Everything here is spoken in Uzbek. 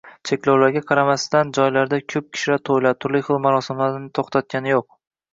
Cheklovlarga qaramasdan, joylarda koʻp kishilik toʻylar, turli xil marosimlar toʻxtagani yoʻq.